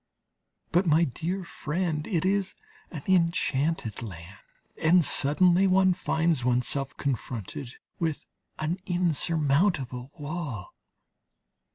But, my dear friend, it is an enchanted land, and suddenly one finds oneself confronted with an insurmountable wall.